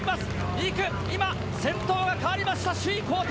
今、先頭が変わりました、首位交代。